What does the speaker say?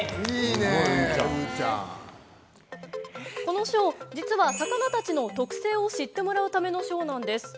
このショー、実は魚たちの特性を知ってもらうためのショーなんです。